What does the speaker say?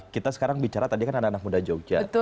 kita sekarang bicara tadi kan anak anak muda jogja